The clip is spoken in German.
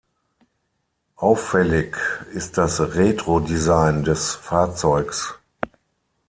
Auffällig ist das Retro-Design des Fahrzeugs.